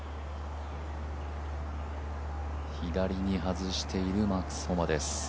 左に外しているマックス・ホマです。